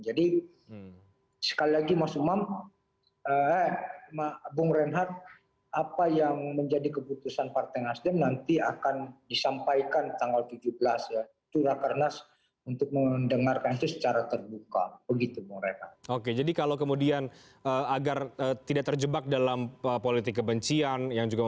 jadi sekali lagi mas umum bung renhard apa yang menjadi keputusan partai nasdem nanti akan disampaikan tanggal tujuh belas